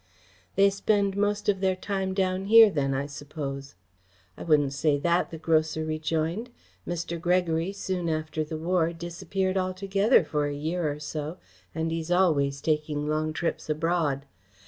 "They spend most of their time down here then, I suppose?" "I wouldn't say that," the grocer rejoined. "Mr. Gregory, soon after the war, disappeared altogether for a year or so, and he's always taking long trips abroad.